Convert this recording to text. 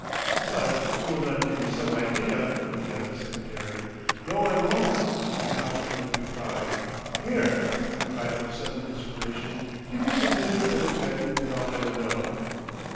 "But will you not give me some idea " began the secretary. "No, I won't," was the obstinate reply. "Here," he cried with sudden inspiration, "give me some paper and a pen, and I'll write a note."